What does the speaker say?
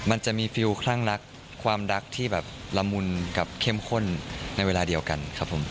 มันจะมีฟิลคลั่งรักความรักที่แบบละมุนกับเข้มข้นในเวลาเดียวกันครับผม